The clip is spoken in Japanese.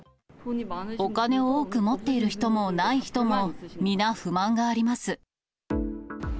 お金を多く持っている人も、ない人も皆、不満があります。